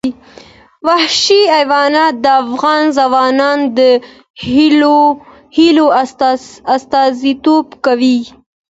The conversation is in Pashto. وحشي حیوانات د افغان ځوانانو د هیلو استازیتوب کوي.